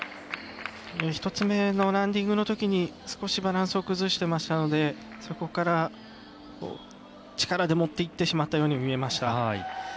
１つ目のランディングのときに少しバランスを崩してましたのでそこから、力で持っていってしまったようにも見えました。